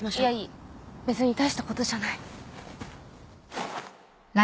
別に大したことじゃない。